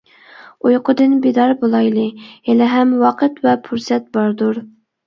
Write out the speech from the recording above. ئۇيقۇدىن بىدار بولايلى، ھېلىھەم ۋاقىت ۋە پۇرسەت باردۇر.